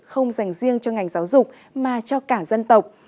không dành riêng cho ngành giáo dục mà cho cả dân tộc